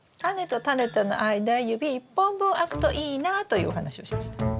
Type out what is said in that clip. タネとタネとの間指１本分空くといいなというお話をしました。